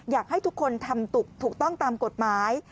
อยากให้ทุกคนทำถูกต้องตามกฎหมาย